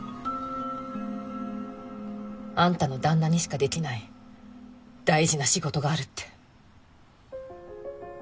アンタの旦那にしか出来ない大事な仕事があるって。